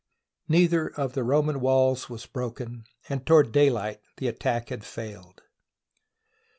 Neither of the Roman walls was broken, and to ward daylight the attack had failed.